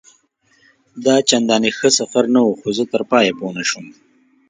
دا چنداني ښه سفر نه وو، خو زه تر پایه پوه نه شوم.